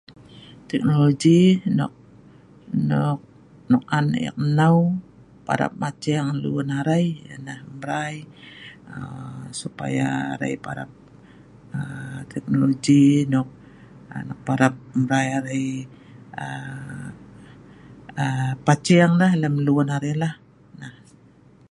Teknologi nok on eek nau parap maceng lun arai, kalah yang prap maceng lun arai